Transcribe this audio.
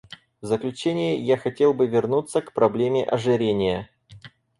В заключение я хотел бы вернуться к проблеме ожирения.